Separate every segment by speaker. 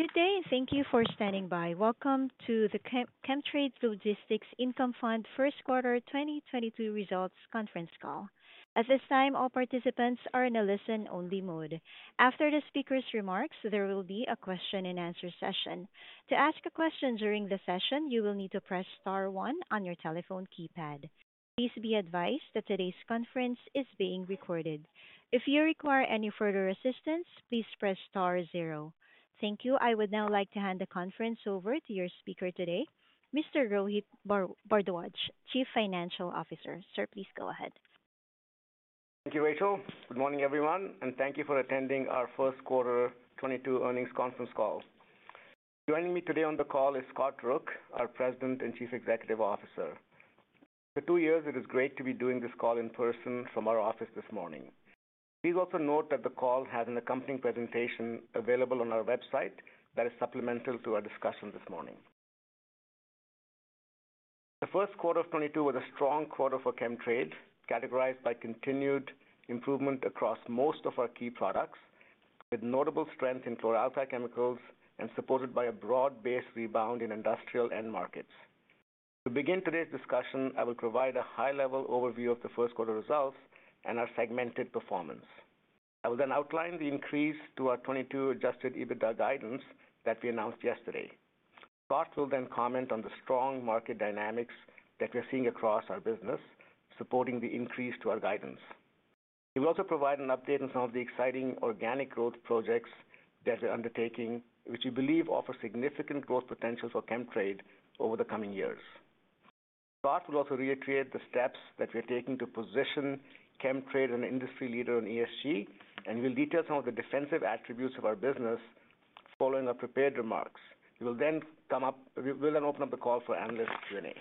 Speaker 1: Good day, and thank you for standing by. Welcome to the Chemtrade Logistics Income Fund first quarter 2022 results conference call. At this time, all participants are in a listen-only mode. After the speaker's remarks, there will be a question and answer session. To ask a question during the session, you will need to press star one on your telephone keypad. Please be advised that today's conference is being recorded. If you require any further assistance, please press star zero. Thank you. I would now like to hand the conference over to your speaker today, Mr. Rohit Bhardwaj, Chief Financial Officer. Sir, please go ahead.
Speaker 2: Thank you, Rachel. Good morning, everyone, and thank you for attending our first quarter 2022 earnings conference call. Joining me today on the call is Scott Rook, our President and Chief Executive Officer. For two years, it is great to be doing this call in person from our office this morning. Please also note that the call has an accompanying presentation available on our website that is supplemental to our discussion this morning. The first quarter of 2022 was a strong quarter for Chemtrade, categorized by continued improvement across most of our key products, with notable strength in chlor-alkali chemicals and supported by a broad-based rebound in industrial end markets. To begin today's discussion, I will provide a high-level overview of the first quarter results and our segmented performance. I will then outline the increase to our 2022 Adjusted EBITDA guidance that we announced yesterday. Scott will then comment on the strong market dynamics that we're seeing across our business, supporting the increase to our guidance. He will also provide an update on some of the exciting organic growth projects that we're undertaking, which we believe offer significant growth potential for Chemtrade over the coming years. Scott will also reiterate the steps that we're taking to position Chemtrade an industry leader in ESG, and he will detail some of the defensive attributes of our business following our prepared remarks. We'll then open up the call for analyst Q&A.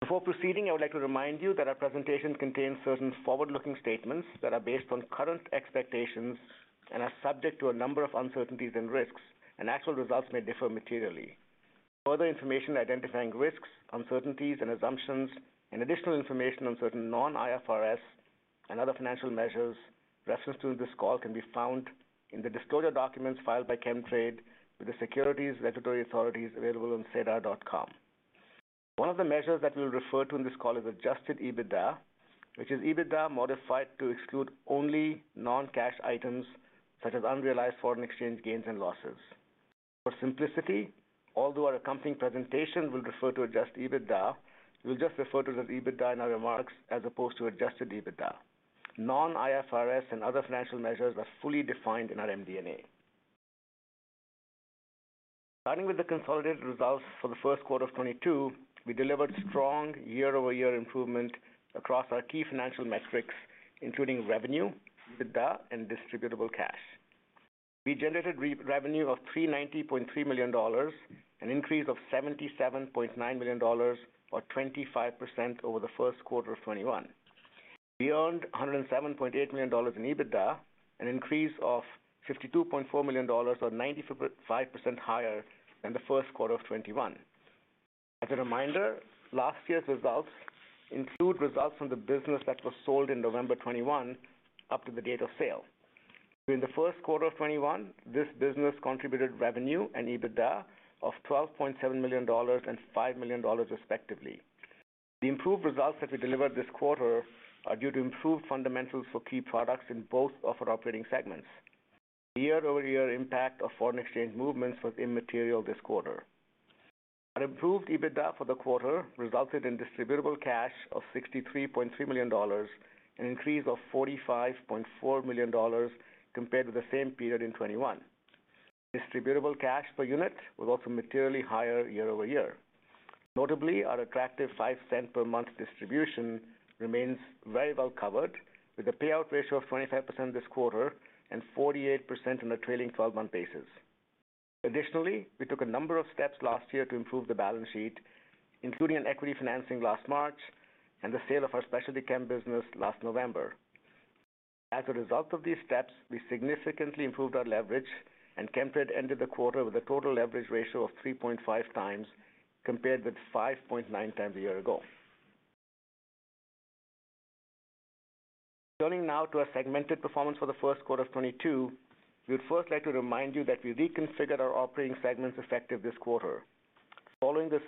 Speaker 2: Before proceeding, I would like to remind you that our presentation contains certain forward-looking statements that are based on current expectations and are subject to a number of uncertainties and risks, and actual results may differ materially. Further information identifying risks, uncertainties, and assumptions, and additional information on certain non-IFRS and other financial measures referenced during this call can be found in the disclosure documents filed by Chemtrade with the securities regulatory authorities available on sedar.com. One of the measures that we'll refer to in this call is adjusted EBITDA, which is EBITDA modified to exclude only non-cash items such as unrealized foreign exchange gains and losses. For simplicity, although our accompanying presentation will refer to adjusted EBITDA, we'll just refer to it as EBITDA in our remarks as opposed to adjusted EBITDA. Non-IFRS and other financial measures are fully defined in our MD&A. Starting with the consolidated results for the first quarter of 2022, we delivered strong year-over-year improvement across our key financial metrics, including revenue, EBITDA, and distributable cash. We generated revenue of 390.3 million dollars, an increase of 77.9 million dollars or 25% over the first quarter of 2021. We earned 107.8 million dollars in EBITDA, an increase of 52.4 million dollars or 95% higher than the first quarter of 2021. As a reminder, last year's results include results from the business that was sold in November 2021 up to the date of sale. During the first quarter of 2021, this business contributed revenue and EBITDA of 12.7 million dollars and 5 million dollars, respectively. The improved results that we delivered this quarter are due to improved fundamentals for key products in both of our operating segments. The year-over-year impact of foreign exchange movements was immaterial this quarter. An improved EBITDA for the quarter resulted in distributable cash of 63.3 million dollars, an increase of 45.4 million dollars compared to the same period in 2021. Distributable cash per unit was also materially higher year over year. Notably, our attractive 0.05 Per month distribution remains very well covered, with a payout ratio of 25% this quarter and 48% on a trailing 12-month basis. Additionally, we took a number of steps last year to improve the balance sheet, including an equity financing last March and the sale of our Specialty Chem business last November. As a result of these steps, we significantly improved our leverage, and Chemtrade ended the quarter with a total leverage ratio of 3.5x, compared with 5.9x a year ago. Turning now to our segmented performance for the first quarter of 2022, we would first like to remind you that we reconfigured our operating segments effective this quarter. Following the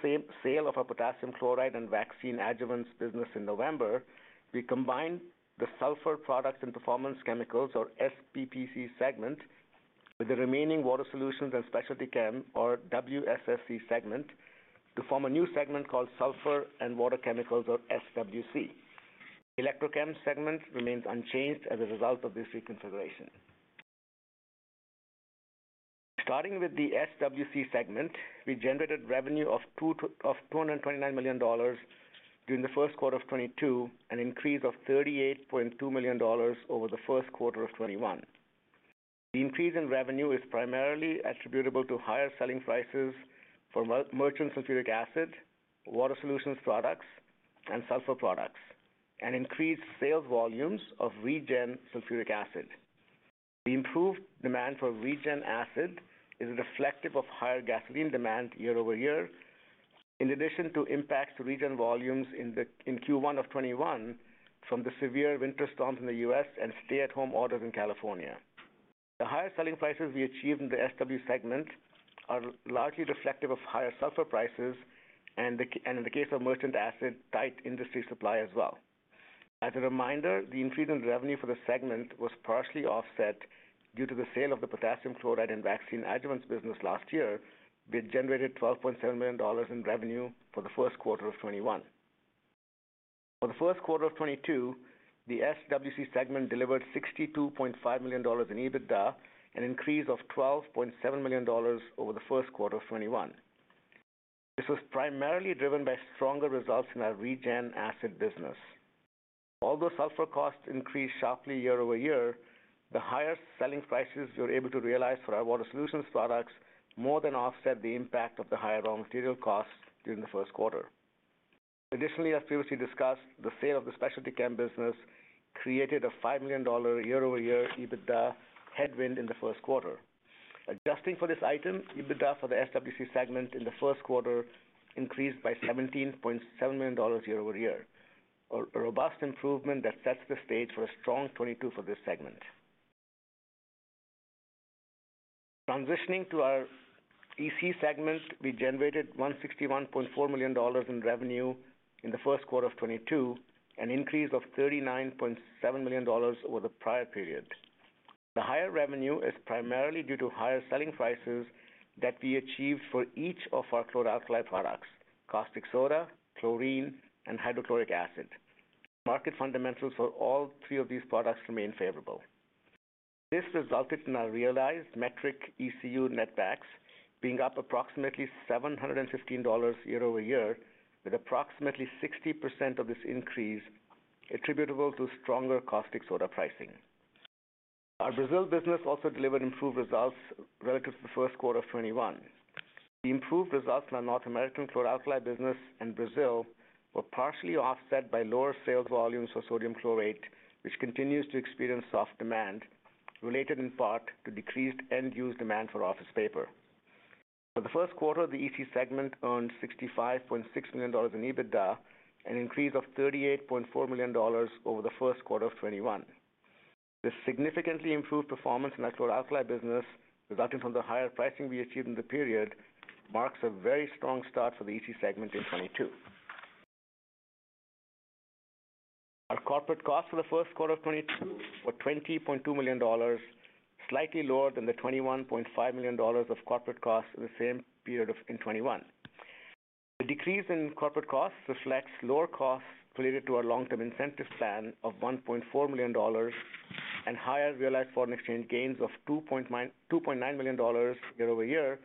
Speaker 2: sale of our potassium chloride and vaccine adjuvants business in November, we combined the Sulfur Products and Performance Chemicals or SPPC segment with the remaining Water Solutions and Specialty Chemicals or WSSC segment to form a new segment called Sulfur and Water Chemicals or SWC. Electrochem segment remains unchanged as a result of this reconfiguration. Starting with the SWC segment, we generated revenue of 229 million dollars during the first quarter of 2022, an increase of 38.2 million dollars over the first quarter of 2021. The increase in revenue is primarily attributable to higher selling prices for merchant sulfuric acid, water solutions products, and sulfur products, and increased sales volumes of Regen sulfuric acid. The improved demand for Regen acid is reflective of higher gasoline demand year-over-year. In addition to impacts to Regen volumes in Q1 of 2021 from the severe winter storms in the US and stay-at-home orders in California. The higher selling prices we achieved in the SW segment are largely reflective of higher sulfur prices and, in the case of merchant acid, tight industry supply as well. As a reminder, the increase in revenue for the segment was partially offset due to the sale of the potassium chloride and vaccine adjuvants business last year, which generated 12.7 million dollars in revenue for the first quarter of 2021. For the first quarter of 2022, the SWC segment delivered 62.5 million dollars in EBITDA, an increase of 12.7 million dollars over the first quarter of 2021. This was primarily driven by stronger results in our Regen acid business. Although sulfur costs increased sharply year-over-year, the higher selling prices we were able to realize for our water solutions products more than offset the impact of the higher raw material costs during the first quarter. Additionally, as previously discussed, the sale of the Specialty Chem business created a 5 million dollar year-over-year EBITDA headwind in the first quarter. Adjusting for this item, EBITDA for the SWC segment in the first quarter increased by 17.7 million dollars year-over-year. Robust improvement that sets the stage for a strong 2022 for this segment. Transitioning to our EC segment, we generated 161.4 million dollars in revenue in the first quarter of 2022, an increase of 39.7 million dollars over the prior period. The higher revenue is primarily due to higher selling prices that we achieved for each of our chlor-alkali products, caustic soda, chlorine, and hydrochloric acid. Market fundamentals for all three of these products remain favorable. This resulted in our realized metric ECU net backs being up approximately 715 dollars year-over-year, with approximately 60% of this increase attributable to stronger caustic soda pricing. Our Brazil business also delivered improved results relative to the first quarter of 2021. The improved results in our North American chlor-alkali business in Brazil were partially offset by lower sales volumes for sodium chlorate, which continues to experience soft demand, related in part to decreased end-use demand for office paper. For the first quarter, the EC segment earned 65.6 million dollars in EBITDA, an increase of 38.4 million dollars over the first quarter of 2021. This significantly improved performance in our chlor-alkali business, resulting from the higher pricing we achieved in the period, marks a very strong start for the EC segment in 2022. Our corporate costs for the first quarter of 2022 were 20.2 million dollars, slightly lower than the 21.5 million dollars of corporate costs in the same period of 2021. The decrease in corporate costs reflects lower costs related to our long-term incentive plan of 1.4 million dollars and higher realized foreign exchange gains of 2.9 million dollars year-over-year,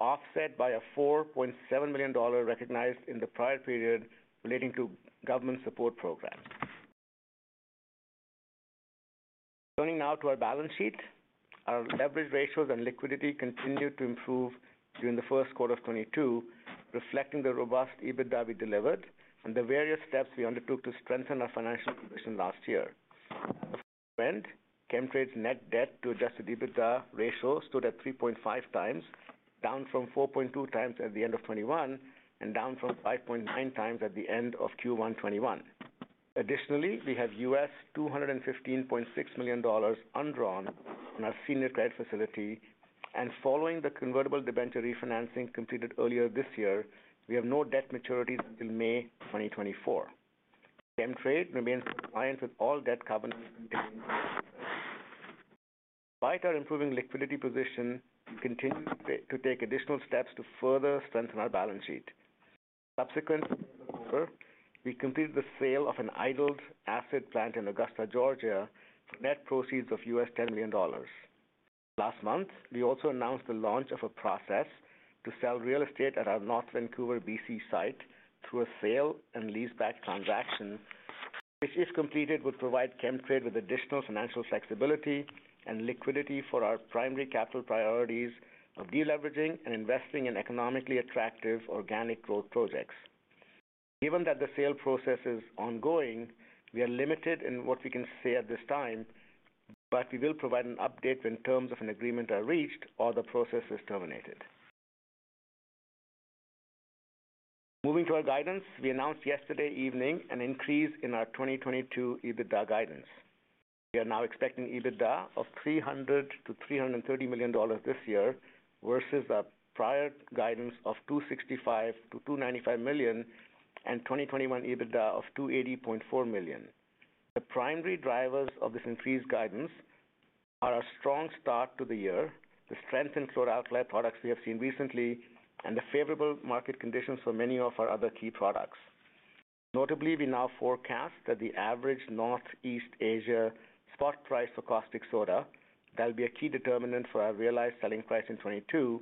Speaker 2: offset by a 4.7 million dollar recognized in the prior period relating to government support programs. Turning now to our balance sheet. Our leverage ratios and liquidity continued to improve during the first quarter of 2022, reflecting the robust EBITDA we delivered and the various steps we undertook to strengthen our financial position last year. Chemtrade's net debt to adjusted EBITDA ratio stood at 3.5x, down from 4.2x at the end of 2021, and down from 5.9x at the end of Q1 2021. Additionally, we have $215.6 million undrawn in our senior credit facility, and following the convertible debenture refinancing completed earlier this year, we have no debt maturities until May 2024. Chemtrade remains in compliance with all debt covenants. Despite our improving liquidity position, we continue to take additional steps to further strengthen our balance sheet. Subsequently, we completed the sale of an idled acid plant in Augusta, Georgia, for net proceeds of $10 million. Last month, we also announced the launch of a process to sell real estate at our North Vancouver, BC site through a sale and leaseback transaction, which, if completed, would provide Chemtrade with additional financial flexibility and liquidity for our primary capital priorities of deleveraging and investing in economically attractive organic growth projects. Given that the sale process is ongoing, we are limited in what we can say at this time, but we will provide an update when terms of an agreement are reached or the process is terminated. Moving to our guidance, we announced yesterday evening an increase in our 2022 EBITDA guidance. We are now expecting EBITDA of 300 million-330 million dollars this year versus our prior guidance of 265 million-295 million and 2021 EBITDA of 280.4 million. The primary drivers of this increased guidance are our strong start to the year, the strength in chlor-alkali products we have seen recently, and the favorable market conditions for many of our other key products. Notably, we now forecast that the average Northeast Asia spot price for caustic soda, that will be a key determinant for our realized selling price in 2022,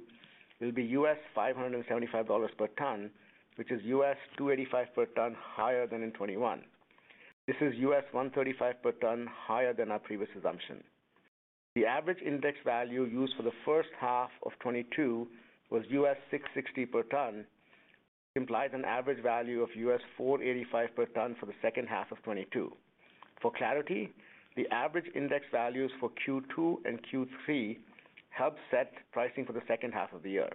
Speaker 2: will be $575 per tonne, which is $285 per tonne higher than in 2021. This is $135 per tonne higher than our previous assumption. The average index value used for the first half of 2022 was $660 per tonne, which implies an average value of $485 per tonne for the second half of 2022. For clarity, the average index values for Q2 and Q3 help set pricing for the second half of the year.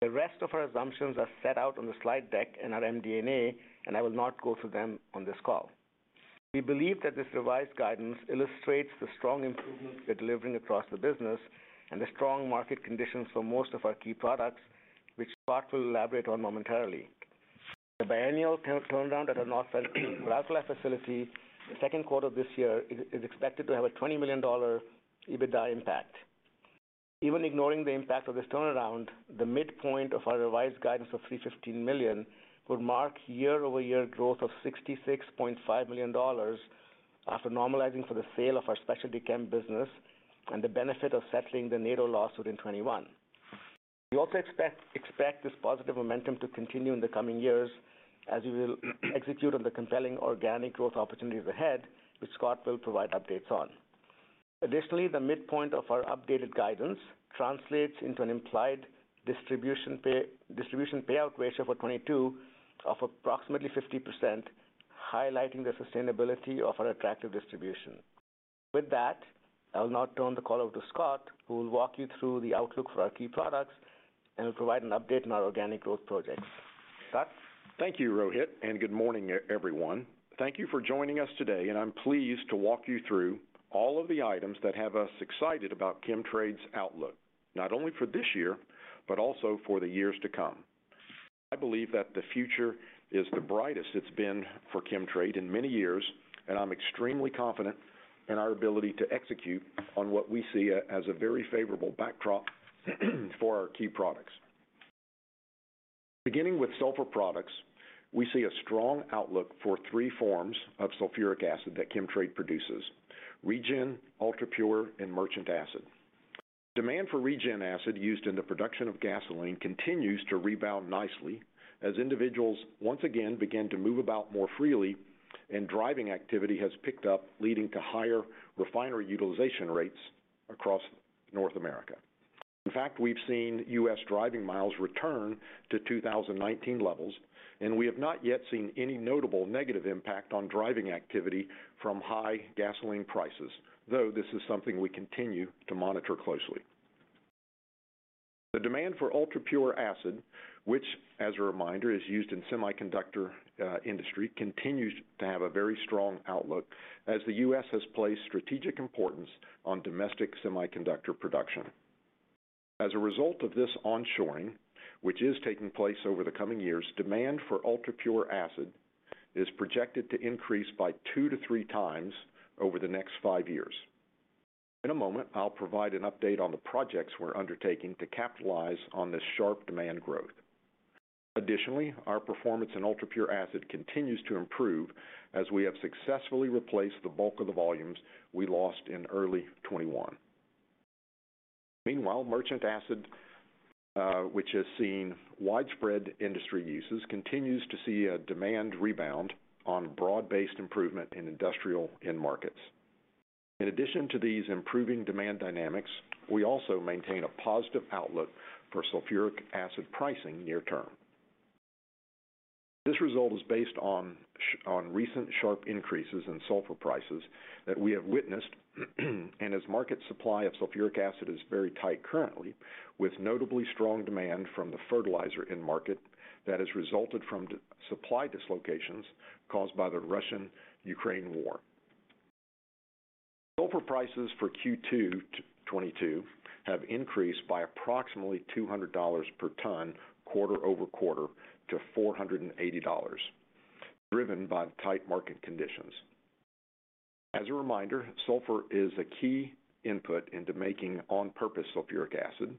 Speaker 2: The rest of our assumptions are set out on the slide deck in our MD&A, and I will not go through them on this call. We believe that this revised guidance illustrates the strong improvements we're delivering across the business and the strong market conditions for most of our key products, which Scott will elaborate on momentarily. The biennial turnaround at our North Vancouver chlor-alkali facility in the second quarter of this year is expected to have a 20 million dollar EBITDA impact. Even ignoring the impact of this turnaround, the midpoint of our revised guidance of 315 million would mark year-over-year growth of 66.5 million dollars after normalizing for the sale of our specialty chem business and the benefit of settling the NATO lawsuit in 2021. We also expect this positive momentum to continue in the coming years as we will execute on the compelling organic growth opportunities ahead, which Scott will provide updates on. Additionally, the midpoint of our updated guidance translates into an implied distribution payout ratio for 2022 of approximately 50%, highlighting the sustainability of our attractive distribution. With that, I'll now turn the call over to Scott, who will walk you through the outlook for our key products and provide an update on our organic growth projects. Scott?
Speaker 3: Thank you, Rohit, and good morning, everyone. Thank you for joining us today, and I'm pleased to walk you through all of the items that have us excited about Chemtrade's outlook, not only for this year, but also for the years to come. I believe that the future is the brightest it's been for Chemtrade in many years, and I'm extremely confident in our ability to execute on what we see as a very favorable backdrop for our key products. Beginning with sulfur products, we see a strong outlook for three forms of sulfuric acid that Chemtrade produces: Regen, UltraPure, and Merchant Acid. Demand for Regen acid used in the production of gasoline continues to rebound nicely as individuals once again begin to move about more freely and driving activity has picked up, leading to higher refinery utilization rates across North America. In fact, we've seen U.S. driving miles return to 2019 levels, and we have not yet seen any notable negative impact on driving activity from high gasoline prices, though this is something we continue to monitor closely. The demand for UltraPure Acid, which as a reminder, is used in semiconductor industry, continues to have a very strong outlook as the U.S. has placed strategic importance on domestic semiconductor production. As a result of this onshoring, which is taking place over the coming years, demand for UltraPure Acid is projected to increase by 2x to 3x over the next five years. In a moment, I'll provide an update on the projects we're undertaking to capitalize on this sharp demand growth. Additionally, our performance in UltraPure Acid continues to improve as we have successfully replaced the bulk of the volumes we lost in early 2021. Meanwhile, Merchant Acid, which has seen widespread industry uses, continues to see a demand rebound on broad-based improvement in industrial end markets. In addition to these improving demand dynamics, we also maintain a positive outlook for sulfuric acid pricing near term. This result is based on recent sharp increases in sulfur prices that we have witnessed, and as market supply of sulfuric acid is very tight currently, with notably strong demand from the fertilizer end market that has resulted from supply dislocations caused by the Russia-Ukraine war. Sulfur prices for Q2 2022 have increased by approximately 200 dollars per tonne quarter-over-quarter to 480 dollars, driven by tight market conditions. As a reminder, sulfur is a key input into making on-purpose sulfuric acid,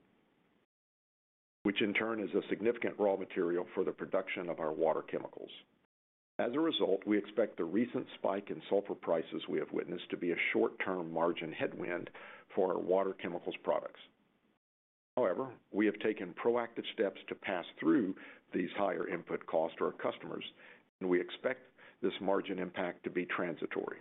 Speaker 3: which in turn is a significant raw material for the production of our water chemicals. As a result, we expect the recent spike in sulfur prices we have witnessed to be a short-term margin headwind for our water chemicals products. However, we have taken proactive steps to pass through these higher input costs to our customers, and we expect this margin impact to be transitory.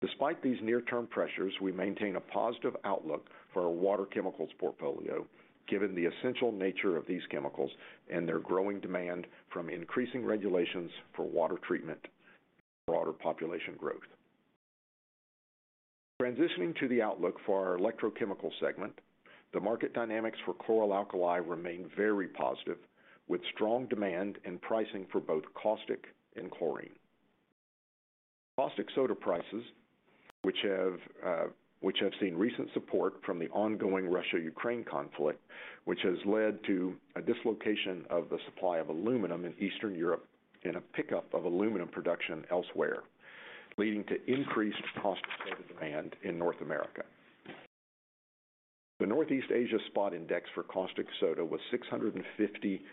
Speaker 3: Despite these near-term pressures, we maintain a positive outlook for our water chemicals portfolio, given the essential nature of these chemicals and their growing demand from increasing regulations for water treatment and broader population growth. Transitioning to the outlook for our Electrochemicals segment, the market dynamics for chlor-alkali remain very positive, with strong demand in pricing for both caustic and chlorine. Caustic soda prices, which have seen recent support from the ongoing Russia-Ukraine conflict, which has led to a dislocation of the supply of aluminum in Eastern Europe and a pickup of aluminum production elsewhere, leading to increased caustic soda demand in North America. The Northeast Asia spot index for caustic soda was 650 dollars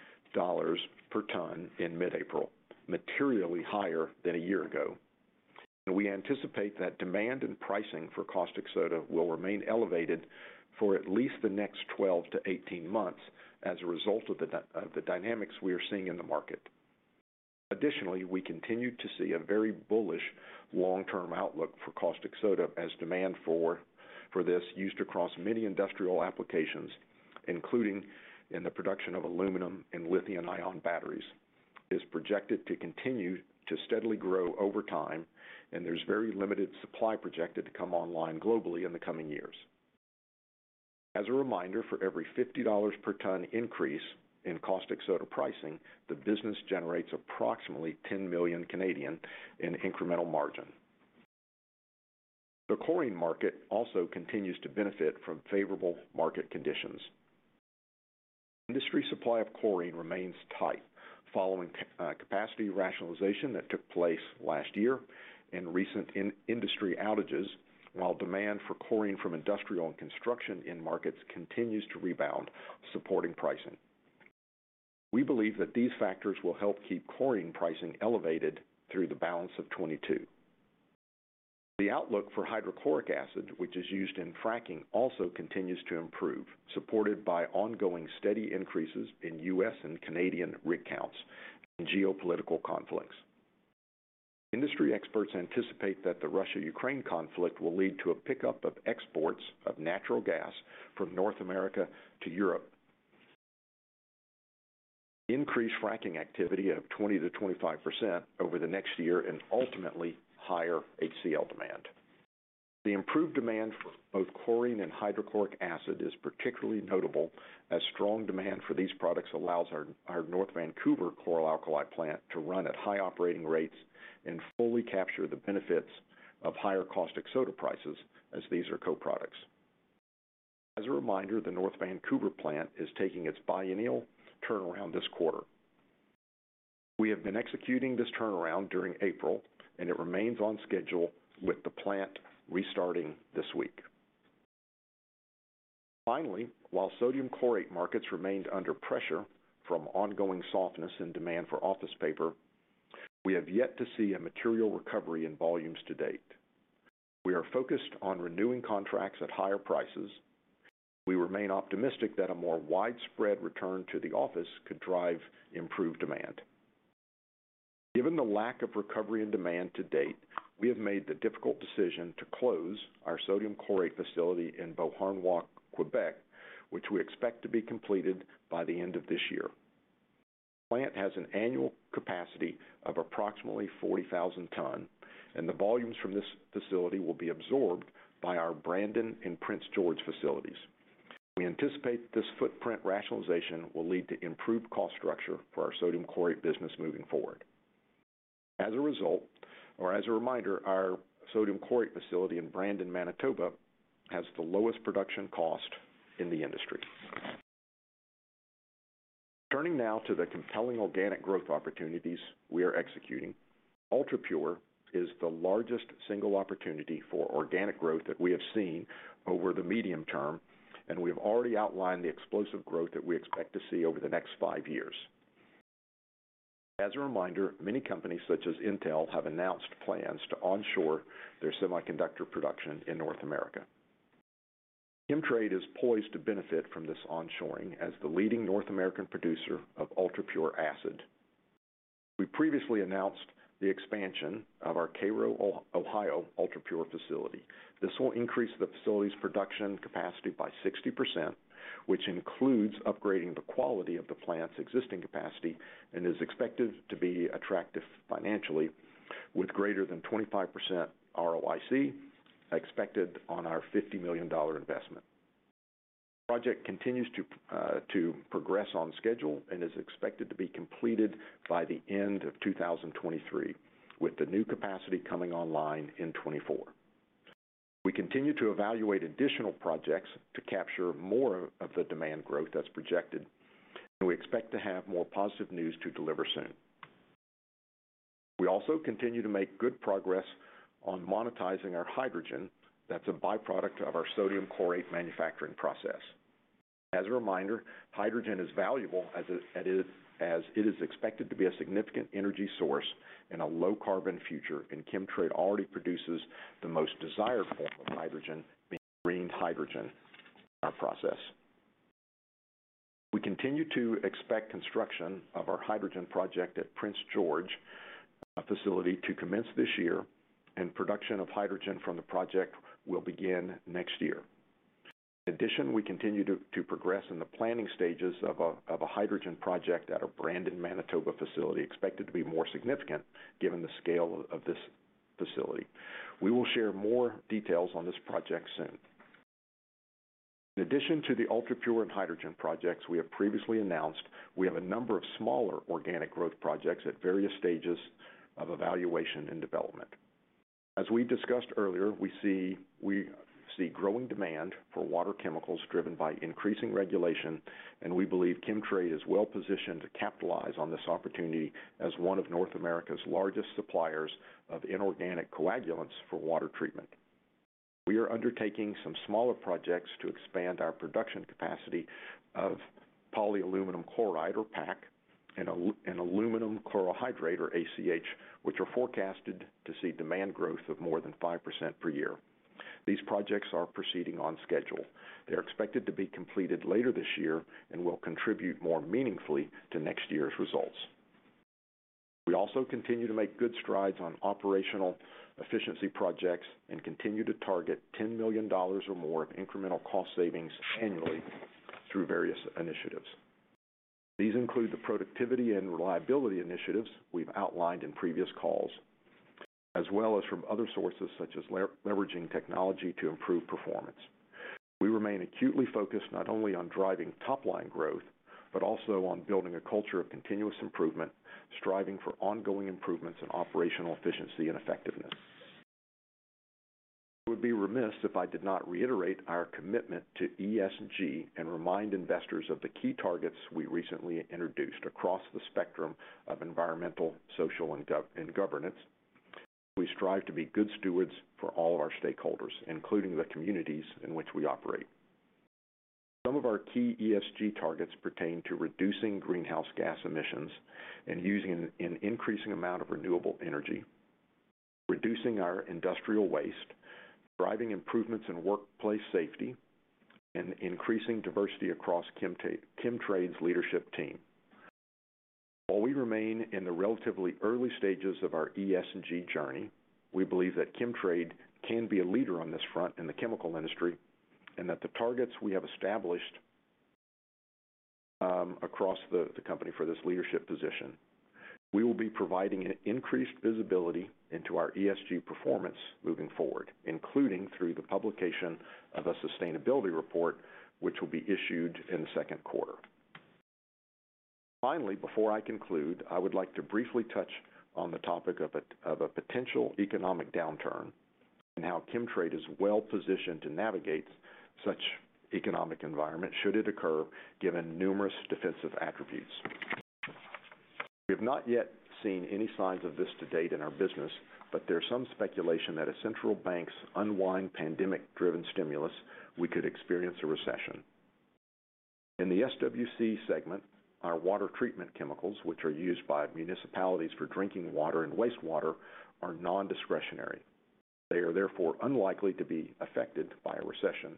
Speaker 3: per tonne in mid-April, materially higher than a year ago. We anticipate that demand and pricing for caustic soda will remain elevated for at least the next 12-18 months as a result of the dynamics we are seeing in the market. Additionally, we continue to see a very bullish long-term outlook for caustic soda as demand for this used across many industrial applications, including in the production of aluminum and lithium-ion batteries, is projected to continue to steadily grow over time, and there's very limited supply projected to come online globally in the coming years. As a reminder, for every $50 per tonne increase in caustic soda pricing, the business generates approximately 10 million in incremental margin. The chlorine market also continues to benefit from favorable market conditions. Industry supply of chlorine remains tight following capacity rationalization that took place last year and recent in-industry outages, while demand for chlorine from industrial and construction end markets continues to rebound, supporting pricing. We believe that these factors will help keep chlorine pricing elevated through the balance of 2022. The outlook for hydrochloric acid, which is used in fracking, also continues to improve, supported by ongoing steady increases in U.S. and Canadian rig counts and geopolitical conflicts. Industry experts anticipate that the Russia-Ukraine conflict will lead to a pickup of exports of natural gas from North America to Europe. Increased fracking activity of 20%-25% over the next year and ultimately higher HCl demand. The improved demand for both chlorine and hydrochloric acid is particularly notable as strong demand for these products allows our North Vancouver chlor-alkali plant to run at high operating rates and fully capture the benefits of higher caustic soda prices as these are co-products. As a reminder, the North Vancouver plant is taking its biennial turnaround this quarter. We have been executing this turnaround during April, and it remains on schedule with the plant restarting this week. Finally, while sodium chlorate markets remained under pressure from ongoing softness and demand for office paper, we have yet to see a material recovery in volumes to date. We are focused on renewing contracts at higher prices. We remain optimistic that a more widespread return to the office could drive improved demand. Given the lack of recovery and demand to date, we have made the difficult decision to close our sodium chlorate facility in Beauharnois, Quebec, which we expect to be completed by the end of this year. The plant has an annual capacity of approximately 40,000 tonnes, and the volumes from this facility will be absorbed by our Brandon and Prince George facilities. We anticipate this footprint rationalization will lead to improved cost structure for our sodium chlorate business moving forward. As a result or as a reminder, our sodium chlorate facility in Brandon, Manitoba, has the lowest production cost in the industry. Turning now to the compelling organic growth opportunities we are executing. UltraPure is the largest single opportunity for organic growth that we have seen over the medium term, and we have already outlined the explosive growth that we expect to see over the next five years. As a reminder, many companies such as Intel have announced plans to onshore their semiconductor production in North America. Chemtrade is poised to benefit from this onshoring as the leading North American producer of UltraPure acid. We previously announced the expansion of our Cairo, Ohio UltraPure facility. This will increase the facility's production capacity by 60%, which includes upgrading the quality of the plant's existing capacity and is expected to be attractive financially, with greater than 25% ROIC expected on our 50 million dollar investment. The project continues to progress on schedule and is expected to be completed by the end of 2023, with the new capacity coming online in 2024. We continue to evaluate additional projects to capture more of the demand growth that's projected, and we expect to have more positive news to deliver soon. We also continue to make good progress on monetizing our hydrogen. That's a byproduct of our sodium chlorate manufacturing process. As a reminder, hydrogen is valuable as it is expected to be a significant energy source in a low carbon future, and Chemtrade already produces the most desired form of hydrogen, being green hydrogen in our process. We continue to expect construction of our hydrogen project at Prince George facility to commence this year, and production of hydrogen from the project will begin next year. In addition, we continue to progress in the planning stages of a hydrogen project at our Brandon, Manitoba facility, expected to be more significant given the scale of this facility. We will share more details on this project soon. In addition to the UltraPure and hydrogen projects we have previously announced, we have a number of smaller organic growth projects at various stages of evaluation and development. As we discussed earlier, we see growing demand for water chemicals driven by increasing regulation, and we believe Chemtrade is well positioned to capitalize on this opportunity as one of North America's largest suppliers of inorganic coagulants for water treatment. We are undertaking some smaller projects to expand our production capacity of poly aluminum chloride or PAC and aluminum chlorohydrate or ACH, which are forecasted to see demand growth of more than 5% per year. These projects are proceeding on schedule. They're expected to be completed later this year and will contribute more meaningfully to next year's results. We also continue to make good strides on operational efficiency projects and continue to target 10 million dollars or more of incremental cost savings annually through various initiatives. These include the productivity and reliability initiatives we've outlined in previous calls, as well as from other sources such as leveraging technology to improve performance. We remain acutely focused not only on driving top-line growth, but also on building a culture of continuous improvement, striving for ongoing improvements in operational efficiency and effectiveness. I would be remiss if I did not reiterate our commitment to ESG and remind investors of the key targets we recently introduced across the spectrum of environmental, social, and governance. We strive to be good stewards for all of our stakeholders, including the communities in which we operate. Some of our key ESG targets pertain to reducing greenhouse gas emissions and using an increasing amount of renewable energy, reducing our industrial waste, driving improvements in workplace safety, and increasing diversity across Chemtrade's leadership team. While we remain in the relatively early stages of our ESG journey, we believe that Chemtrade can be a leader on this front in the chemical industry, and that the targets we have established across the company for this leadership position. We will be providing increased visibility into our ESG performance moving forward, including through the publication of a sustainability report, which will be issued in the second quarter. Finally, before I conclude, I would like to briefly touch on the topic of a potential economic downturn and how Chemtrade is well positioned to navigate such economic environment should it occur, given numerous defensive attributes. We have not yet seen any signs of this to date in our business, but there's some speculation that as central banks unwind pandemic-driven stimulus, we could experience a recession. In the SWC segment, our water treatment chemicals, which are used by municipalities for drinking water and wastewater, are nondiscretionary. They are therefore unlikely to be affected by a recession.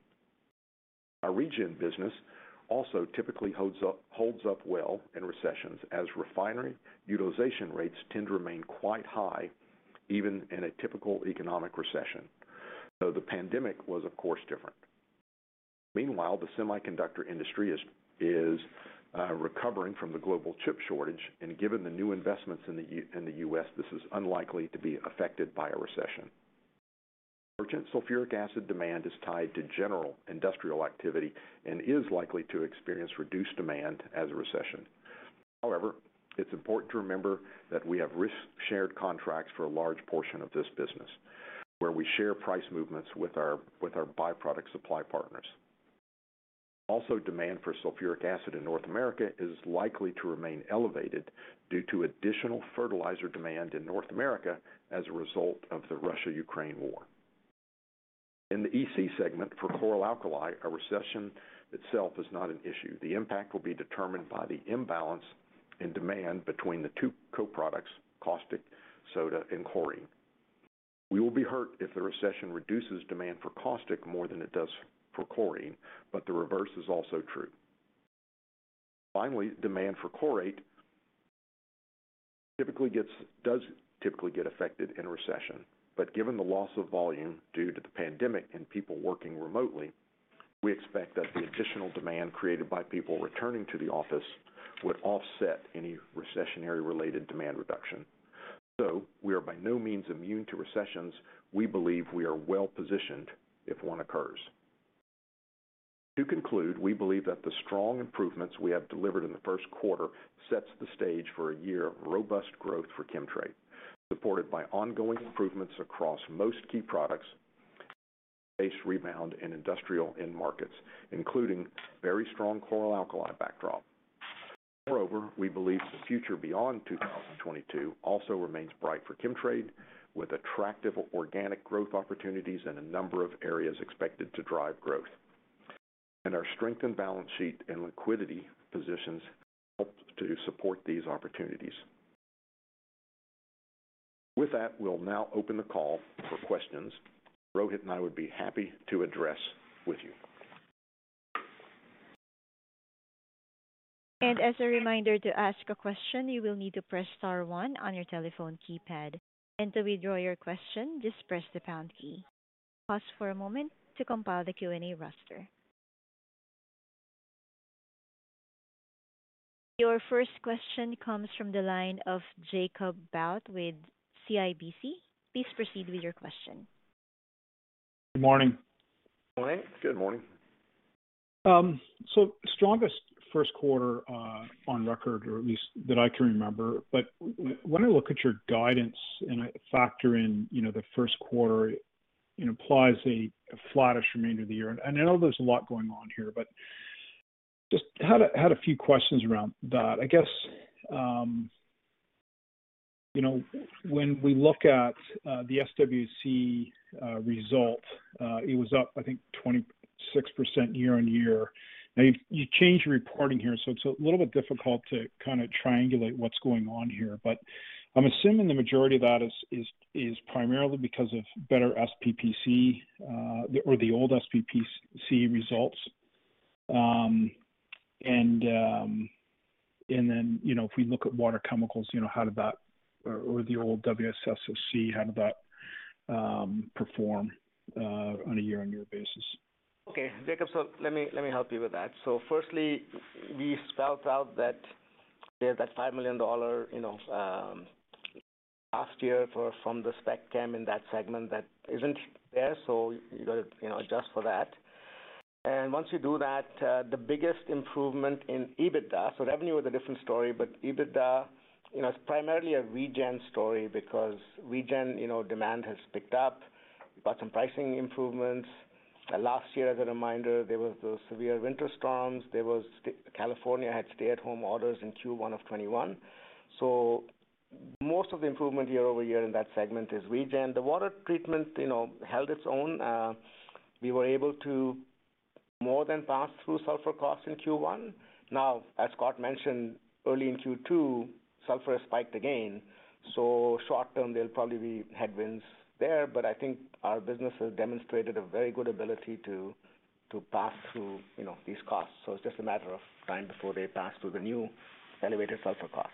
Speaker 3: Our Regen business also typically holds up well in recessions as refinery utilization rates tend to remain quite high even in a typical economic recession, though the pandemic was of course different. Meanwhile, the semiconductor industry is recovering from the global chip shortage, and given the new investments in the U.S., this is unlikely to be affected by a recession. Merchant sulfuric acid demand is tied to general industrial activity and is likely to experience reduced demand in a recession. However, it's important to remember that we have risk-shared contracts for a large portion of this business, where we share price movements with our byproduct supply partners. Also, demand for sulfuric acid in North America is likely to remain elevated due to additional fertilizer demand in North America as a result of the Russia-Ukraine war. In the EC segment for chlor-alkali, a recession itself is not an issue. The impact will be determined by the imbalance in demand between the two co-products, caustic soda and chlorine. We will be hurt if the recession reduces demand for caustic more than it does for chlorine, but the reverse is also true. Finally, demand for chlorate does typically get affected in a recession. Given the loss of volume due to the pandemic and people working remotely, we expect that the additional demand created by people returning to the office would offset any recessionary related demand reduction. We are by no means immune to recessions. We believe we are well-positioned if one occurs. To conclude, we believe that the strong improvements we have delivered in the first quarter sets the stage for a year of robust growth for Chemtrade, supported by ongoing improvements across most key products and a base rebound in industrial end markets, including very strong chlor-alkali backdrop. Moreover, we believe the future beyond 2022 also remains bright for Chemtrade, with attractive organic growth opportunities in a number of areas expected to drive growth. Our strengthened balance sheet and liquidity positions help to support these opportunities. With that, we'll now open the call for questions, Rohit and I would be happy to address with you.
Speaker 1: As a reminder to ask a question, you will need to press star one on your telephone keypad. To withdraw your question, just press the pound key. Pause for a moment to compile the Q&A roster. Your first question comes from the line of Jacob Bout with CIBC. Please proceed with your question.
Speaker 4: Good morning.
Speaker 3: Morning. Good morning.
Speaker 4: Strongest first quarter on record, or at least that I can remember. When I look at your guidance and I factor in, you know, the first quarter, it implies a flattish remainder of the year. I know there's a lot going on here, but just had a few questions around that. I guess, you know, when we look at the SWC result, it was up, I think 26% year-on-year. Now you changed your reporting here, so it's a little bit difficult to kinda triangulate what's going on here. I'm assuming the majority of that is primarily because of better SPPC, or the old SPPC results. You know, if we look at water chemicals, you know, how did that or the old WSSC, how did that perform on a year-on-year basis?
Speaker 2: Okay, Jacob, so let me help you with that. Firstly, we spelled out that there's that 5 million dollar, you know, last year from the spec chem in that segment that isn't there, so you gotta, you know, adjust for that. Once you do that, the biggest improvement in EBITDA. Revenue was a different story, but EBITDA, you know, is primarily a Regen story because Regen, you know, demand has picked up. We've got some pricing improvements. Last year, as a reminder, there was the severe winter storms. California had stay-at-home orders in Q1 of 2021. Most of the improvement year-over-year in that segment is Regen. The water treatment, you know, held its own. We were able to more than pass through sulfur costs in Q1. Now, as Scott mentioned early in Q2, sulfur has spiked again, so short term there'll probably be headwinds there. I think our business has demonstrated a very good ability to pass through, you know, these costs. It's just a matter of time before they pass through the new elevated sulfur costs.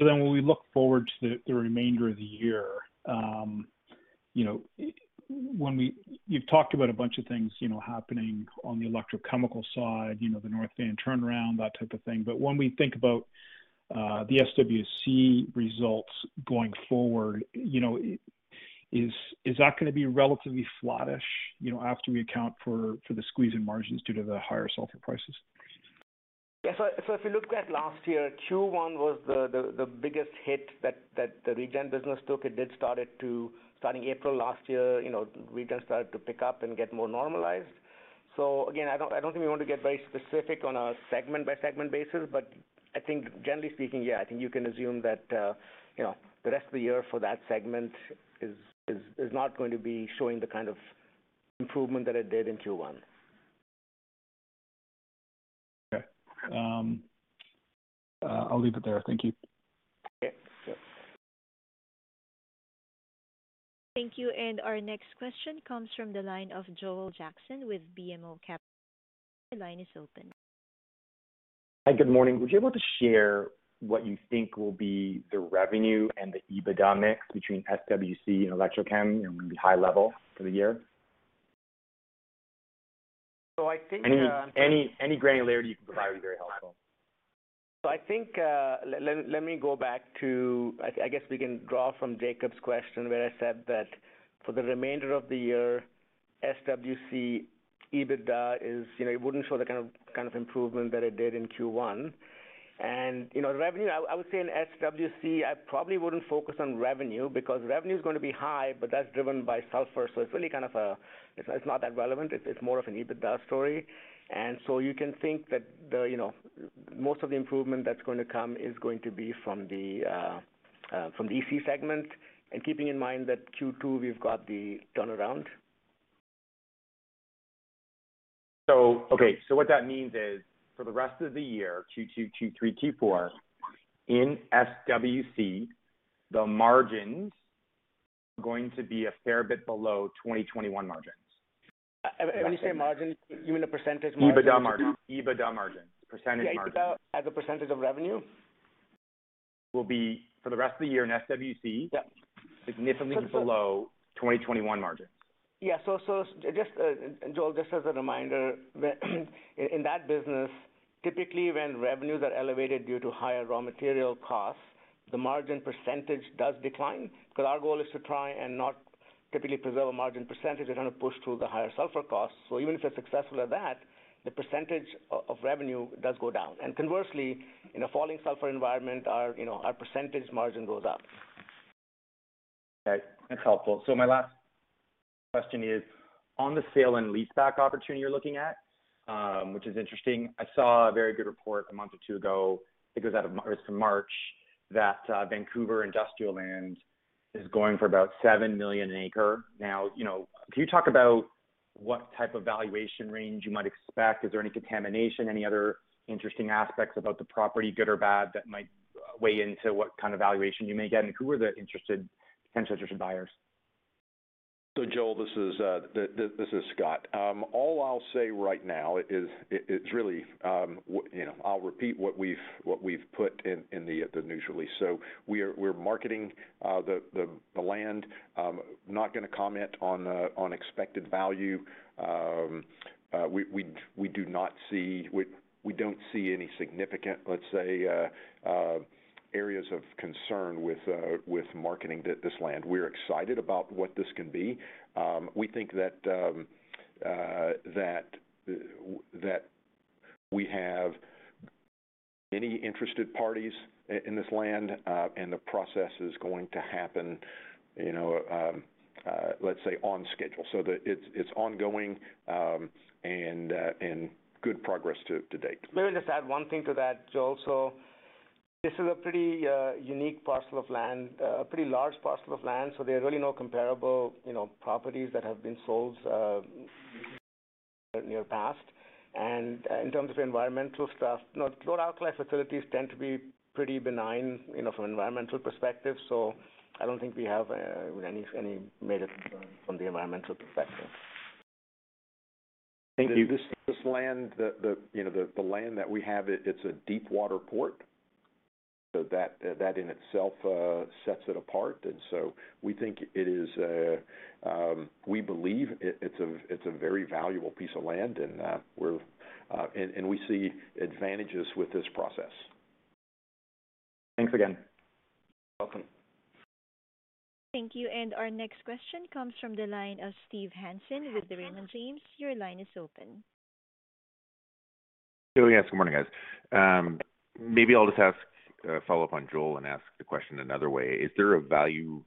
Speaker 4: When we look forward to the remainder of the year, you know, you've talked about a bunch of things, you know, happening on the electrochemical side, you know, the North Van turnaround, that type of thing. But when we think about the WSSC results going forward, you know, is that gonna be relatively flattish, you know, after we account for the squeeze in margins due to the higher sulfur prices?
Speaker 2: Yeah. So if you look at last year, Q1 was the biggest hit that the Regen business took. Starting April last year, you know, Regen started to pick up and get more normalized. Again, I don't think we want to get very specific on a segment-by-segment basis, but I think generally speaking, yeah, I think you can assume that, you know, the rest of the year for that segment is not going to be showing the kind of improvement that it did in Q1.
Speaker 4: Okay. I'll leave it there. Thank you.
Speaker 2: Okay. Sure.
Speaker 1: Thank you. Our next question comes from the line of Joel Jackson with BMO Capital Markets. Your line is open.
Speaker 5: Hi. Good morning. Would you be able to share what you think will be the revenue and the EBITDA mix between SWC and Electrochem, you know, maybe high level for the year?
Speaker 2: I think.
Speaker 5: Any granularity you can provide would be very helpful.
Speaker 2: I think, let me go back to I guess we can draw from Jacob's question, where I said that for the remainder of the year, SWC EBITDA is, you know, it wouldn't show the kind of improvement that it did in Q1. You know, the revenue, I would say in SWC, I probably wouldn't focus on revenue because revenue is gonna be high, but that's driven by sulfur, so it's really kind of a, it's not that relevant. It's more of an EBITDA story. You can think that, you know, most of the improvement that's going to come is going to be from the EC segment. Keeping in mind that Q2, we've got the turnaround.
Speaker 5: Okay. What that means is, for the rest of the year, Q2, Q3, Q4, in SWC, the margins are going to be a fair bit below 2021 margins?
Speaker 2: When you say margin, you mean the percentage margin?
Speaker 5: EBITDA margin. Percentage margin.
Speaker 2: Yeah, EBITDA as a percentage of revenue.
Speaker 5: Will be for the rest of the year in SWC.
Speaker 2: Yeah.
Speaker 5: Significantly below 2021 margins?
Speaker 2: Yeah. Just as a reminder, Joel, that in that business, typically, when revenues are elevated due to higher raw material costs, the margin percentage does decline. Because our goal is to try and not typically preserve a margin percentage, we're trying to push through the higher sulfur costs. Even if we're successful at that, the percentage of revenue does go down. Conversely, in a falling sulfur environment, you know, our percentage margin goes up.
Speaker 5: Okay. That's helpful. My last question is on the sale and leaseback opportunity you're looking at, which is interesting. I saw a very good report a month or two ago, I think it's from March, that Vancouver industrial land is going for about 7 million an acre. Now, you know, can you talk about what type of valuation range you might expect? Is there any contamination, any other interesting aspects about the property, good or bad, that might weigh into what kind of valuation you may get? And who are the potential interested buyers?
Speaker 3: Joel, this is Scott. All I'll say right now is it's really, you know, I'll repeat what we've put in the news release. We're marketing the land. Not gonna comment on expected value. We don't see any significant, let's say, areas of concern with marketing this land. We're excited about what this can be. We think that we have many interested parties in this land, and the process is going to happen, you know, let's say on schedule. It's ongoing, and good progress to date.
Speaker 2: Let me just add one thing to that, Joel. This is a pretty unique parcel of land, a pretty large parcel of land, so there are really no comparable, you know, properties that have been sold in the near past. In terms of environmental stuff, chlor-alkali facilities tend to be pretty benign, you know, from environmental perspective. I don't think we have any major concern from the environmental perspective.
Speaker 5: Thank you.
Speaker 3: This land, you know, the land that we have, it's a deep water port. That in itself sets it apart. We believe it's a very valuable piece of land and we see advantages with this process.
Speaker 5: Thanks again.
Speaker 3: You're welcome.
Speaker 1: Thank you. Our next question comes from the line of Steve Hansen with the Raymond James. Your line is open.
Speaker 6: Oh, yes. Good morning, guys. Maybe I'll just ask, follow up on Joel and ask the question another way. Is there a value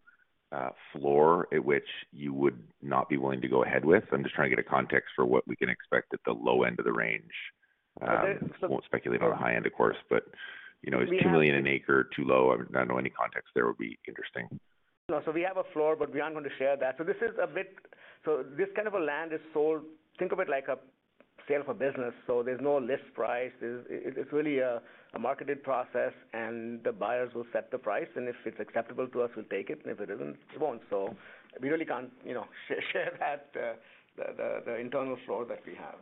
Speaker 6: floor at which you would not be willing to go ahead with? I'm just trying to get a context for what we can expect at the low end of the range. Won't speculate on the high end, of course, but, you know, is 2 million an acre too low? I mean, I don't know, any context there would be interesting.
Speaker 2: No. We have a floor, but we aren't going to share that. This kind of land is sold. Think of it like a sale of business. There's no list price. It's really a marketed process, and the buyers will set the price. If it's acceptable to us, we'll take it, and if it isn't, we won't. We really can't, you know, share that, the internal floor that we have.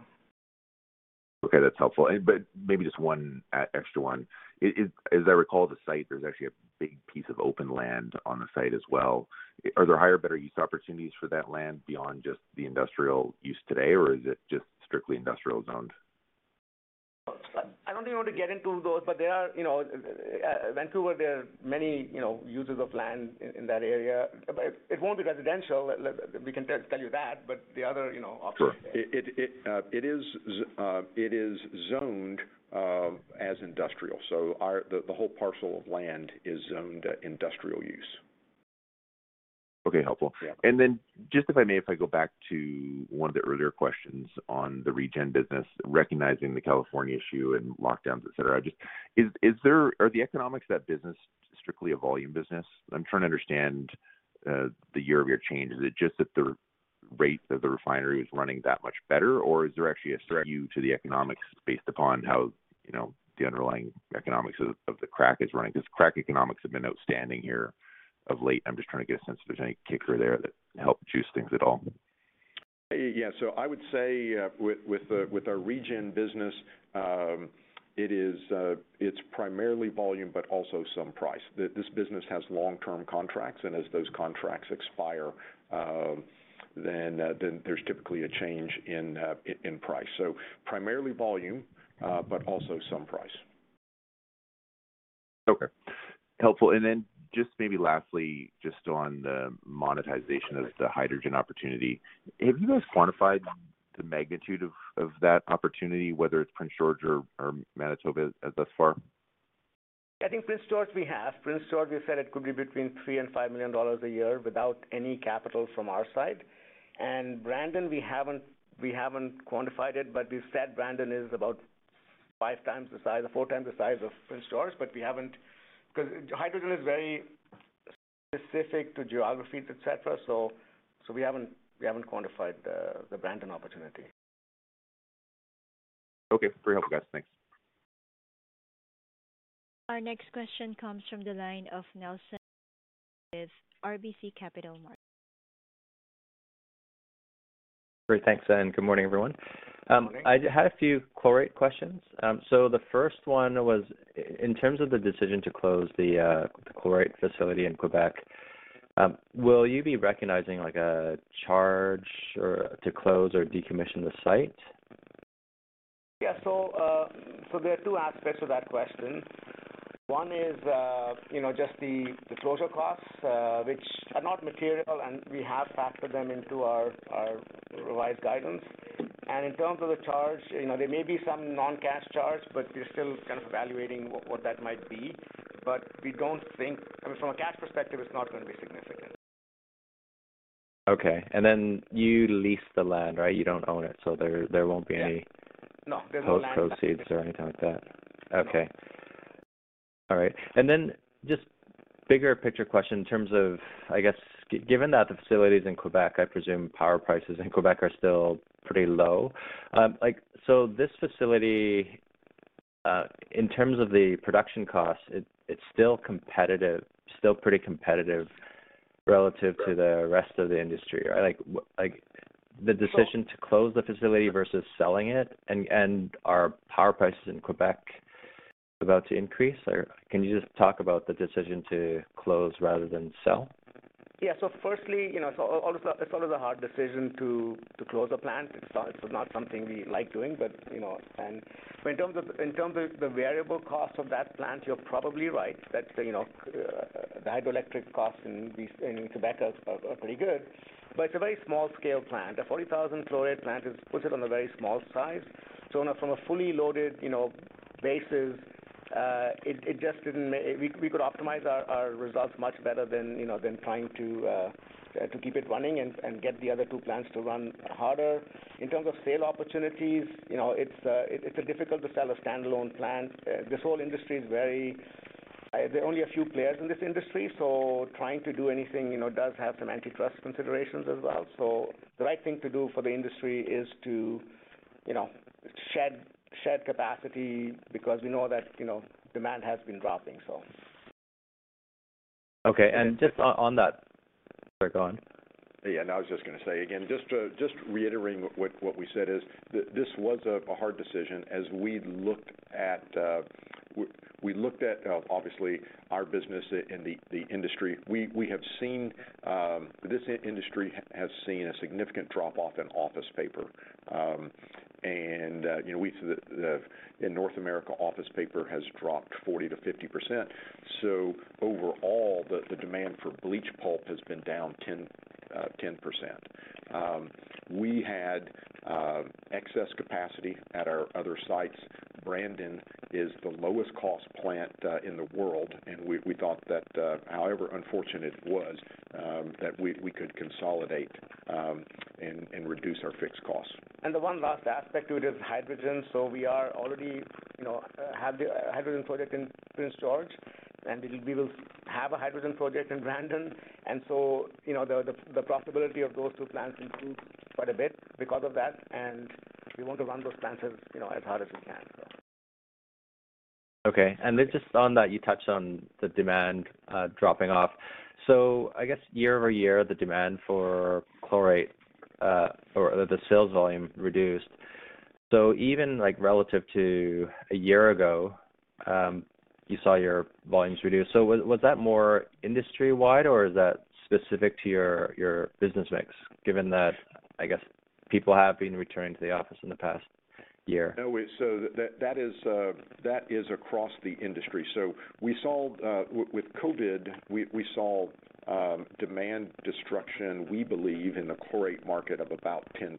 Speaker 6: Okay, that's helpful. Maybe just one extra one. As I recall, the site, there's actually a big piece of open land on the site as well. Are there higher or better use opportunities for that land beyond just the industrial use today, or is it just strictly industrial zoned?
Speaker 2: I don't really want to get into those, but there are, you know, Vancouver, there are many, you know, users of land in that area. It won't be residential. We can tell you that. The other, you know, options there.
Speaker 3: It is zoned as industrial. The whole parcel of land is zoned industrial use.
Speaker 6: Okay, helpful.
Speaker 3: Yeah.
Speaker 6: If I go back to one of the earlier questions on the Regen business, recognizing the California issue and lockdowns, et cetera. Are the economics of that business strictly a volume business? I'm trying to understand the year-over-year change. Is it just that the rates of the refinery is running that much better? Or is there actually a view to the economics based upon how, you know, the underlying economics of the crack is running? Cause crack economics have been outstanding here of late. I'm just trying to get a sense if there's any kicker there that helped juice things at all.
Speaker 3: Yeah, I would say with our Regen business, it's primarily volume, but also some price. This business has long-term contracts, and as those contracts expire, then there's typically a change in price. Primarily volume, but also some price.
Speaker 6: Okay. Helpful. Just maybe lastly, just on the monetization of the hydrogen opportunity. Have you guys quantified the magnitude of that opportunity, whether it's Prince George or Manitoba thus far?
Speaker 2: Prince George, we said it could be between 3 million and 5 million dollars a year without any capital from our side. Brandon, we haven't quantified it, but we've said Brandon is about 5x the size or 4x the size of Prince George, but we haven't quantified the Brandon opportunity. Cause hydrogen is very specific to geographies, et cetera, so we haven't quantified the Brandon opportunity.
Speaker 6: Okay. Very helpful, guys. Thanks.
Speaker 1: Our next question comes from the line of Nelson [Ng] with RBC Capital Markets.
Speaker 7: Great. Thanks, and good morning, everyone.
Speaker 2: Good morning.
Speaker 7: I had a few chlorate questions. The first one was, in terms of the decision to close the chlorate facility in Quebec, will you be recognizing like a charge or to close or decommission the site?
Speaker 2: There are two aspects to that question. One is, you know, just the closure costs, which are not material, and we have factored them into our revised guidance. In terms of the charge, you know, there may be some non-cash charge, but we're still kind of evaluating what that might be. We don't think. I mean, from a cash perspective, it's not gonna be significant.
Speaker 7: Okay. You lease the land, right? You don't own it, so there won't be any-
Speaker 2: Yeah. No. There's no land-
Speaker 7: Post proceeds or anything like that.
Speaker 2: No.
Speaker 7: Okay. All right. Bigger picture question in terms of, I guess, given that the facility is in Quebec, I presume power prices in Quebec are still pretty low. Like, so this facility, in terms of the production costs, it's still competitive, still pretty competitive relative to the rest of the industry. Like the decision to close the facility versus selling it and are power prices in Quebec about to increase? Or can you just talk about the decision to close rather than sell?
Speaker 2: It's always a hard decision to close a plant. It's not something we like doing. You know, in terms of the variable cost of that plant, you're probably right. That you know, hydroelectric costs in Quebec are pretty good. It's a very small scale plant. A 40,000 chlorate plant puts it on a very small size. From a fully loaded you know, basis, we could optimize our results much better than you know, trying to keep it running and get the other two plants to run harder. In terms of sale opportunities, you know, it's difficult to sell a standalone plant. There are only a few players in this industry, so trying to do anything, you know, does have some antitrust considerations as well. The right thing to do for the industry is to, you know, shed capacity because we know that, you know, demand has been dropping.
Speaker 7: Okay. Just on that. Sorry, go on.
Speaker 3: Yeah, no, I was just gonna say again, just reiterating what we said is this was a hard decision as we looked at obviously our business and the industry. We have seen this industry has seen a significant drop-off in office paper. You know, in North America, office paper has dropped 40%-50%. Overall, the demand for bleached pulp has been down 10%. We had excess capacity at our other sites. Brandon is the lowest cost plant in the world, and we thought that however unfortunate it was that we could consolidate and reduce our fixed costs.
Speaker 2: The one last aspect to it is hydrogen. We are already, you know, have the hydrogen project in Prince George, and we will have a hydrogen project in Brandon. You know, the profitability of those two plants improved quite a bit because of that, and we want to run those plants as, you know, as hard as we can, so.
Speaker 7: Okay. Just on that, you touched on the demand dropping off. I guess year-over-year, the demand for chlorate or the sales volume reduced. Even, like, relative to a year ago, you saw your volumes reduce. Was that more industry-wide or is that specific to your business mix, given that, I guess, people have been returning to the office in the past year?
Speaker 3: No, that is across the industry. We saw with COVID demand destruction, we believe, in the chlorate market of about 10%.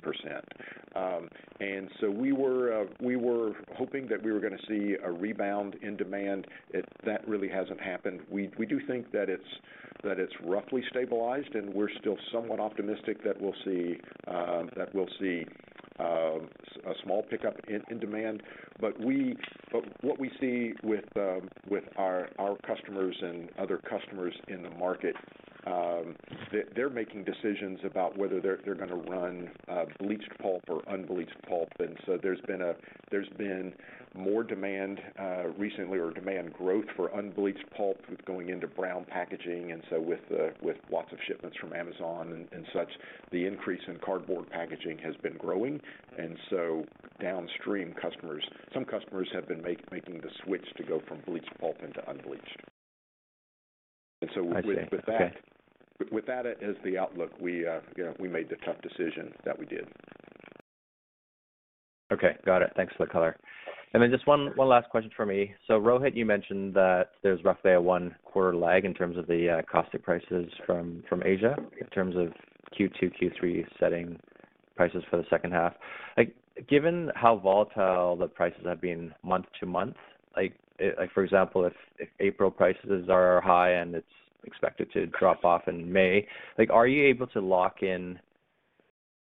Speaker 3: We were hoping that we were gonna see a rebound in demand. That really hasn't happened. We do think that it's roughly stabilized, and we're still somewhat optimistic that we'll see a small pickup in demand. What we see with our customers and other customers in the market, they're making decisions about whether they're gonna run bleached pulp or unbleached pulp. There's been more demand recently, or demand growth for unbleached pulp with going into brown packaging. With lots of shipments from Amazon and such, the increase in cardboard packaging has been growing. Downstream customers, some customers have been making the switch to go from bleached pulp into unbleached.
Speaker 7: I see. Okay.
Speaker 3: With that as the outlook, you know, we made the tough decision that we did.
Speaker 7: Okay. Got it. Thanks for the color. Just one last question from me. Rohit, you mentioned that there's roughly a one-quarter lag in terms of the caustic prices from Asia in terms of Q2, Q3 setting prices for the second half. Like, given how volatile the prices have been month to month, like, for example, if April prices are high and it's expected to drop off in May, like, are you able to lock in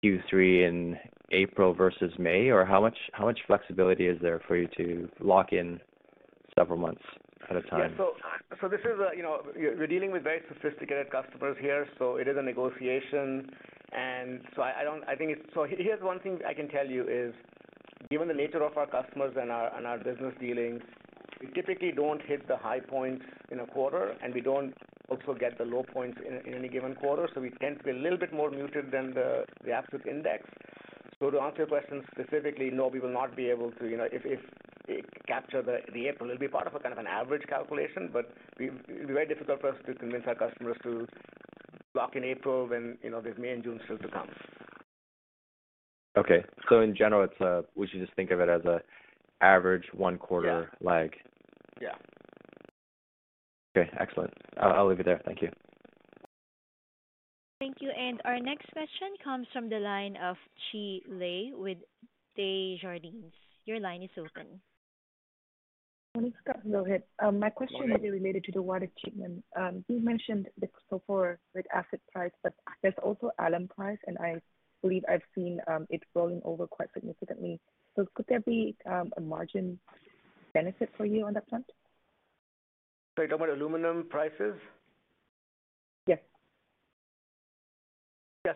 Speaker 7: Q3 in April versus May? Or how much flexibility is there for you to lock in several months at a time?
Speaker 2: This is a, you know. We're dealing with very sophisticated customers here, so it is a negotiation. Here's one thing I can tell you is, given the nature of our customers and our business dealings, we typically don't hit the high points in a quarter, and we don't also get the low points in any given quarter. We tend to be a little bit more muted than the absolute index. To answer your question specifically, no, we will not be able to, you know, capture the April. It'll be part of a kind of an average calculation, but It'd be very difficult for us to convince our customers to lock in April when, you know, there's May and June still to come.
Speaker 7: Okay. In general it's an average one quarter.
Speaker 2: Yeah.
Speaker 7: lag.
Speaker 2: Yeah.
Speaker 7: Okay, excellent. I'll leave it there. Thank you.
Speaker 1: Thank you. Our next question comes from the line of Chi Le with Desjardins. Your line is open.
Speaker 8: When the cost hit low, my question may be related to the water treatment. You mentioned so, for the acid price, but there's also alum price, and I believe I've seen it rolling over quite significantly. Could there be a margin benefit for you on that front?
Speaker 2: You're talking about aluminum prices?
Speaker 8: Yes.
Speaker 2: Yeah.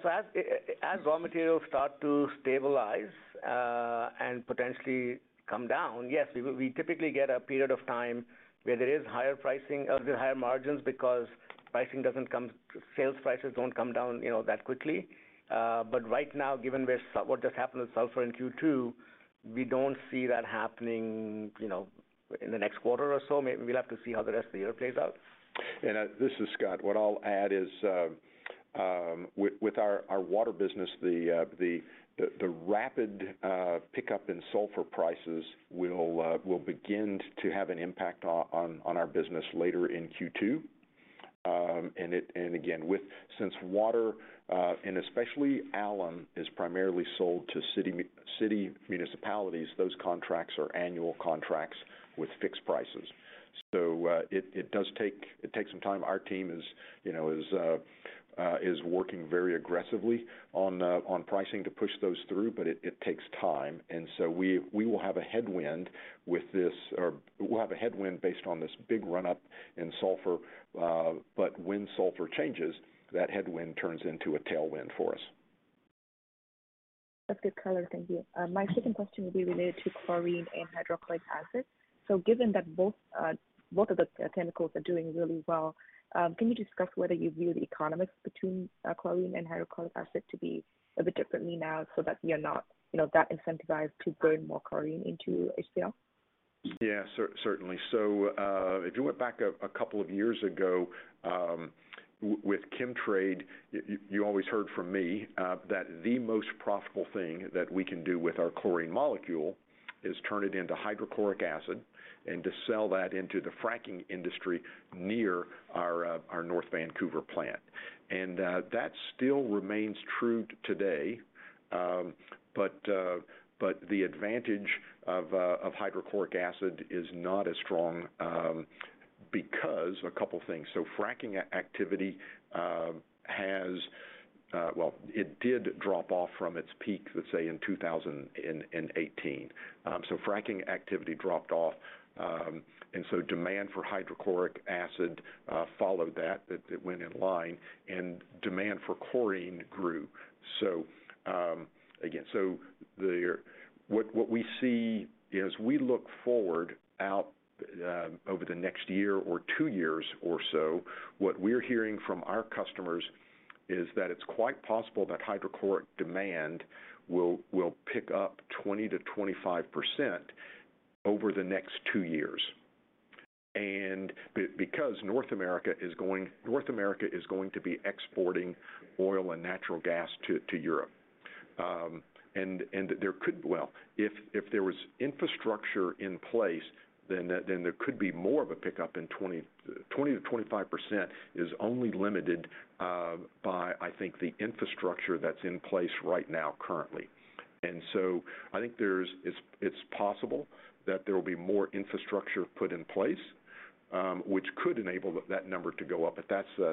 Speaker 2: As raw materials start to stabilize and potentially come down, yes, we typically get a period of time where there is higher pricing, higher margins because sales prices don't come down, you know, that quickly. Right now, given what just happened with sulfur in Q2, we don't see that happening, you know, in the next quarter or so. We'll have to see how the rest of the year plays out.
Speaker 3: This is Scott. What I'll add is, with our water business, the rapid pickup in sulfur prices will begin to have an impact on our business later in Q2. Since water and especially alum is primarily sold to city municipalities, those contracts are annual contracts with fixed prices. It takes some time. Our team is, you know, working very aggressively on pricing to push those through, but it takes time. We will have a headwind with this or we'll have a headwind based on this big run-up in sulfur, but when sulfur changes, that headwind turns into a tailwind for us.
Speaker 8: That's good color. Thank you. My second question will be related to chlorine and hydrochloric acid. Given that both of the chemicals are doing really well, can you discuss whether you view the economics between chlorine and hydrochloric acid to be a bit differently now so that we are not, you know, that incentivized to burn more chlorine into HCl?
Speaker 3: Certainly. If you went back a couple of years ago, with Chemtrade, you always heard from me that the most profitable thing that we can do with our chlorine molecule is turn it into hydrochloric acid and to sell that into the fracking industry near our North Vancouver plant. That still remains true today. The advantage of hydrochloric acid is not as strong because a couple things. Fracking activity has well, it did drop off from its peak, let's say in 2018. Fracking activity dropped off, and so demand for hydrochloric acid followed that. It went in line and demand for chlorine grew. What we see as we look forward out over the next year or two years or so, what we're hearing from our customers is that it's quite possible that hydrochloric demand will pick up 20%-25% over the next two years. Because North America is going to be exporting oil and natural gas to Europe. Well, if there was infrastructure in place, then there could be more of a pickup in 20%-25% is only limited by, I think, the infrastructure that's in place right now currently. And so I think it's possible that there will be more infrastructure put in place, which could enable that number to go up, but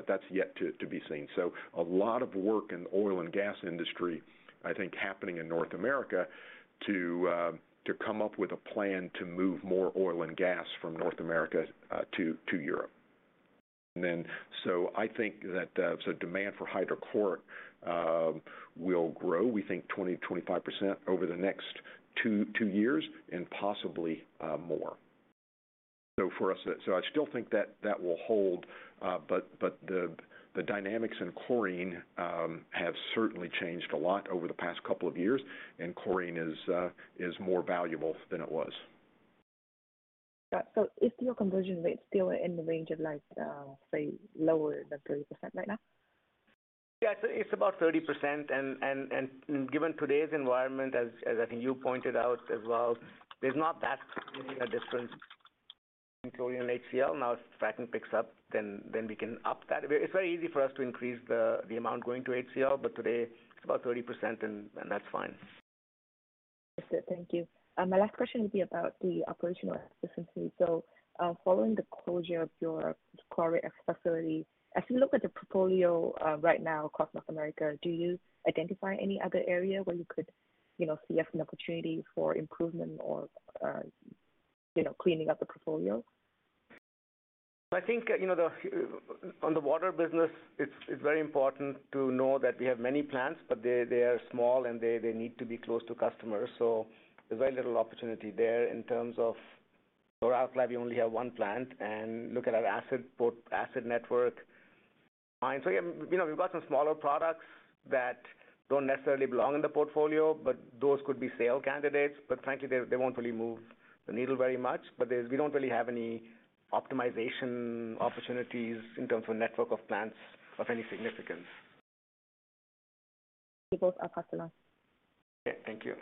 Speaker 3: that's yet to be seen. A lot of work in the oil and gas industry, I think, happening in North America to come up with a plan to move more oil and gas from North America to Europe. I think that demand for hydrochloric will grow, we think 20%-25% over the next two years and possibly more. I still think that will hold, but the dynamics in chlorine have certainly changed a lot over the past couple of years, and chlorine is more valuable than it was.
Speaker 8: Got it. Is your conversion rate still in the range of like, say, lower than 30% right now?
Speaker 2: Yeah, it's about 30%. Given today's environment, as I think you pointed out as well, there's not that really a difference between chlorine and HCl. Now, if fracking picks up, then we can up that. It's very easy for us to increase the amount going to HCl, but today it's about 30%, and that's fine.
Speaker 8: Understood. Thank you. My last question will be about the operational efficiency. Following the closure of your [sodium chlorate] facility, as you look at the portfolio, right now across North America, do you identify any other area where you could, you know, see an opportunity for improvement or, you know, cleaning up the portfolio?
Speaker 2: I think, you know, on the water business, it's very important to know that we have many plants, but they are small and they need to be close to customers. There's very little opportunity there in terms of chlor-alkali. We only have one plant, and look at our acid network. You know, we've got some smaller products that don't necessarily belong in the portfolio, but those could be sale candidates. Frankly, they won't really move the needle very much. We don't really have any optimization opportunities in terms of network of plants of any significance.
Speaker 8: Thank you both. I'll pass the line.
Speaker 2: Okay. Thank you.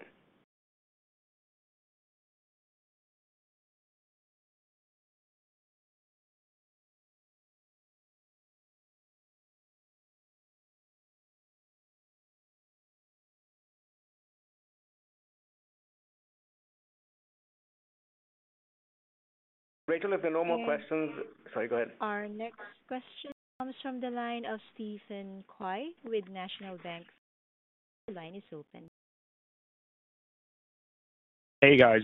Speaker 2: Rachel, if there are no more questions. Sorry, go ahead.
Speaker 1: Our next question comes from the line of Stephen Kwai with National Bank [Financial]. Your line is open.
Speaker 9: Hey, guys.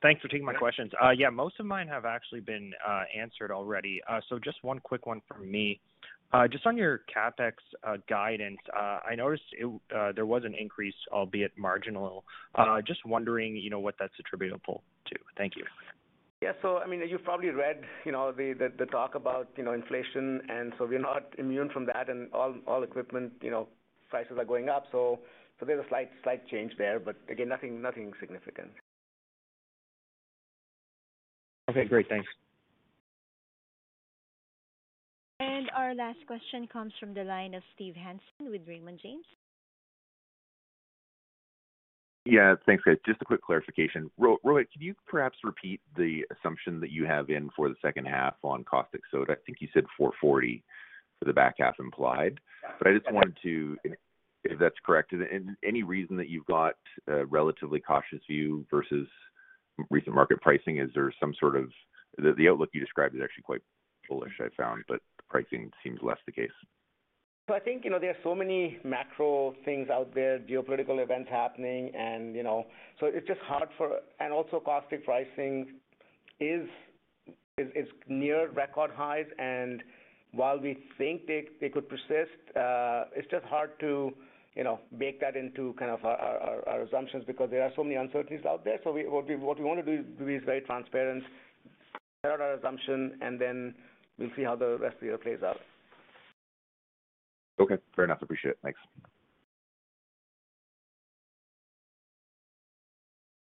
Speaker 9: Thanks for taking my questions. Yeah, most of mine have actually been answered already. Just one quick one from me. Just on your CapEx guidance, I noticed it, there was an increase, albeit marginal. Just wondering, you know, what that's attributable to. Thank you.
Speaker 2: Yeah. I mean, you've probably read, you know, the talk about, you know, inflation, and so we're not immune from that. All equipment, you know, prices are going up. There's a slight change there, but again, nothing significant.
Speaker 9: Okay, great. Thanks.
Speaker 1: Our last question comes from the line of Steve Hansen with Raymond James.
Speaker 6: Yeah. Thanks, guys. Just a quick clarification. Rohit, can you perhaps repeat the assumption that you have in for the second half on caustic soda? I think you said 440 for the back half implied. I just wanted to. If that's correct, any reason that you've got a relatively cautious view versus recent market pricing? Is there some sort of the outlook you described is actually quite bullish, I found, but pricing seems less the case.
Speaker 2: I think, you know, there are so many macro things out there, geopolitical events happening and, you know. It's just hard. Also caustic pricing is near record highs. While we think they could persist, it's just hard to, you know, bake that into kind of our assumptions because there are so many uncertainties out there. What we wanna do is be very transparent about our assumption, and then we'll see how the rest of the year plays out.
Speaker 6: Okay, fair enough. Appreciate it. Thanks.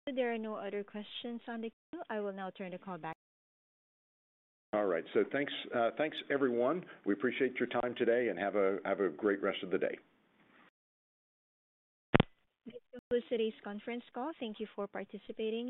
Speaker 1: If there are no other questions on the queue, I will now turn the call back.
Speaker 3: All right. Thanks, everyone. We appreciate your time today, and have a great rest of the day.
Speaker 1: This will close today's conference call. Thank you for participating.